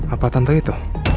apa tante itu